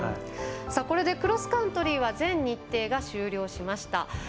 これでクロスカントリーは全日程が終了しました。